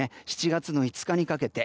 ７月の５日にかけて。